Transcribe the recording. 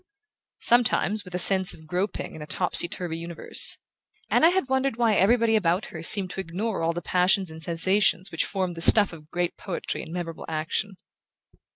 Sometimes, with a sense of groping in a topsy turvy universe, Anna had wondered why everybody about her seemed to ignore all the passions and sensations which formed the stuff of great poetry and memorable action.